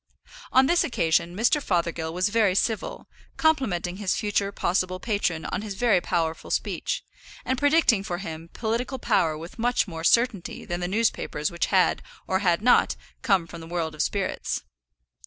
On this occasion Mr. Fothergill was very civil, complimenting his future possible patron on his very powerful speech, and predicting for him political power with much more certainty than the newspapers which had, or had not, come from the world of spirits.